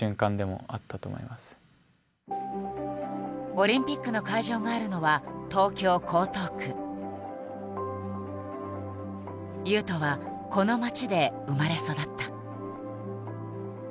オリンピックの会場があるのは雄斗はこの街で生まれ育った。